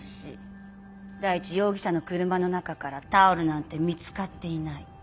第一容疑者の車の中からタオルなんて見つかっていない。